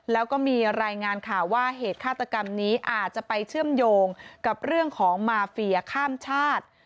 แล้วก็มีรายงานข่าวว่าเหตุฆาตกรรมนี้อาจจะไปเชื่อมโยงกับเรื่องของมาเฟียข้ามชาติ